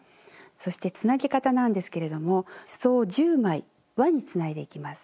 そしてつなぎ方なんですけれどもすそを１０枚輪につないでいきます。